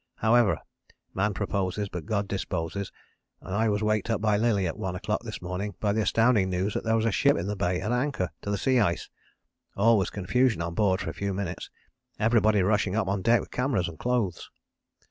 "However, man proposes but God disposes, and I was waked up by Lillie at one o'clock this morning by the astounding news that there was a ship in the bay at anchor to the sea ice. All was confusion on board for a few minutes, everybody rushing up on deck with cameras and clothes.